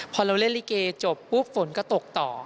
พอเราเล่นลิเกจบปุ๊บฝนก็ตกต่อ